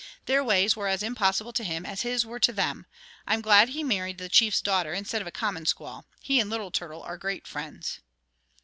Their ways were as impossible to him as his were to them. I'm glad he married the chief's daughter, instead of a common squaw. He and Little Turtle are great friends."